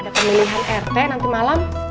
ada pemilihan rt nanti malam